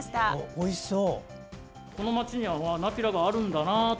おいしそう！